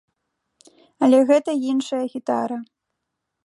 Але гэта іншая гітара.